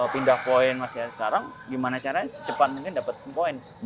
pindah poin masih ada sekarang gimana caranya secepat mungkin dapat poin